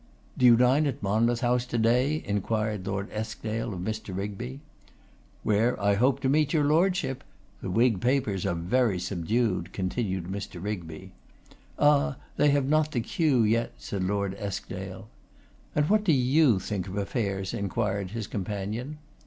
'Do you dine at Monmouth House to day?' inquired Lord Eskdale of Mr. Rigby. 'Where I hope to meet your lordship. The Whig papers are very subdued,' continued Mr. Rigby. 'Ah! they have not the cue yet,' said Lord Eskdale. 'And what do you think of affairs?' inquired his companion.